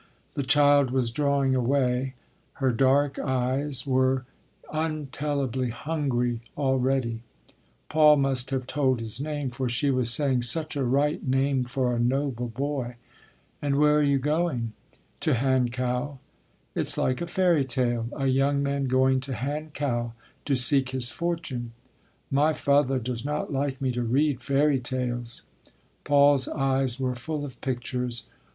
The child was drawing away. Her dark eyes were untellably hungry already. Paul must have told his name, for she was saying: "Such a right name for a noble boy. And where are you going?" "To Hankow." "It’s like a fairy tale—a young man going to Hankow to seek his fortune—" "My father does not like me to read fairy tales—" Paul’s eyes were full of pictures.